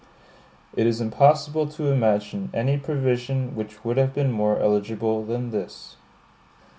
It is impossible to imagine any provision which would have been more eligible than this.